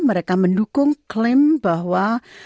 mereka mendukung klaim bahwa